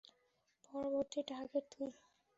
পরবর্তী টার্গেট তুই!